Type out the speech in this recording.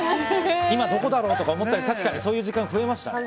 今どこだろうとか思ったり確かにそういう時間増えましたね。